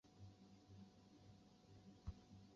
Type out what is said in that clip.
隐棘鳚科为辐鳍鱼纲鲈形目的其中一个科。